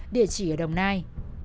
địa chỉ ở đồng nai